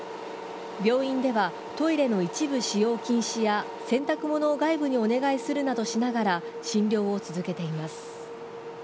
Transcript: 病院ではトイレの一部使用禁止や、洗濯物を外部にお願いするなどしながら、診療を続けています。